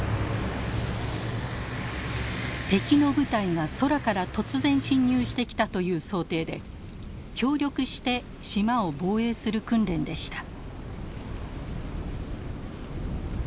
敵の部隊が空から突然侵入してきたという想定で協力して島を防衛する訓練でした。